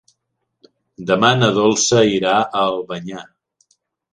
Demà na Dolça irà a Albanyà.